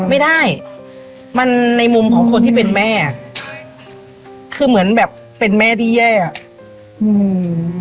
ไม่ได้มันในมุมของคนที่เป็นแม่คือเหมือนแบบเป็นแม่ที่แย่อ่ะอืม